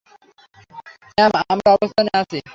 Ma'am, আমরা অবস্থানে আছি।